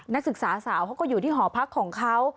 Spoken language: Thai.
นักศึกษาสาวเขาก็อยู่ที่หอพักของเขา